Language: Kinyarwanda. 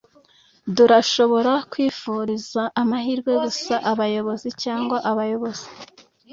durashobora kwifuriza amahirwe gusa abayobozi cyangwa abayobozi